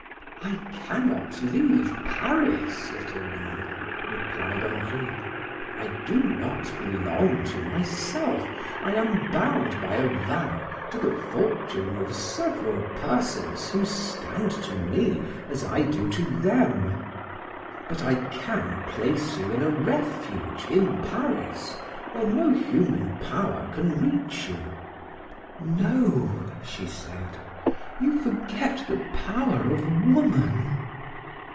"I cannot leave Paris, little one!" replied Henri. "I do not belong to myself, I am bound by a vow to the fortune of several persons who stand to me, as I do to them. But I can place you in a refuge in Paris, where no human power can reach you." "No," she said, "you forget the power of woman."